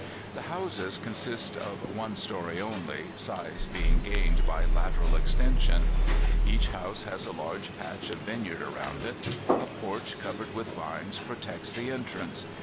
The houses consist of one story only, size being gained by lateral extension. Each house has a large patch of vineyard round it. A porch covered with vines protects the entrance.